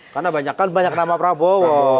karena banyak kan banyak nama prabowo